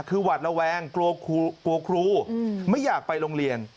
คือหวัดระแวงกลัวครูไม่อยากไปโรงเรียน